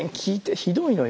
ひどいのよ」